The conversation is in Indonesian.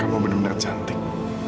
kamu bener bener cantik